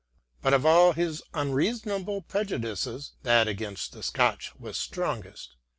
But of all his unreasonable prejudices, that against the Scotch was strongest.